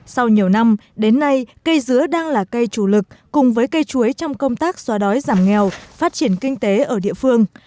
sau nhiều năm đến nay cây dứa đang là cây chủ lực cùng với cây chuối trong công tác xóa đói giảm nghèo phát triển kinh tế ở địa phương